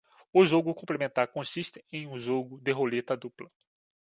O jogo complementar consiste em um jogo de roleta dupla.